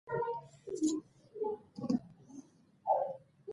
د زراعت ساینسي څېړنې باید له کروندګرو سره شریکې شي.